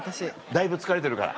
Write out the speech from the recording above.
だいぶ疲れてるから。